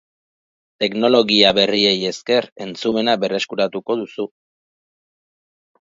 Teknologia berriei esker entzumena berreskuratuko duzu.